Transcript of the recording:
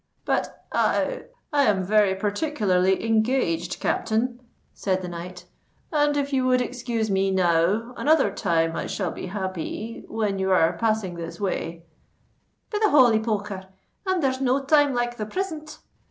"But I—I am very particularly engaged, captain," said the knight; "and if you would excuse me now—another time I shall be happy—when you are passing this way——" "Be the holy poker! and there's no time like the prisint!"